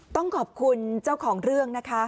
ต้องขอบคุณเจ้าของเรื่องนะคะ